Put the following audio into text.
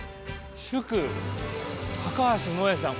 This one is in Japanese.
「祝橋萌さん」。